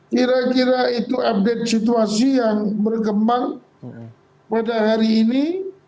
kira kira itu update situasi yang berkembang pada hari ini